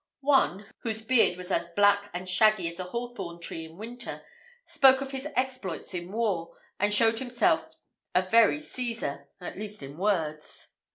One, whose beard was as black and shaggy as a hawthorn tree in winter, spoke of his exploits in war, and showed himself a very Cæsar, at least in words.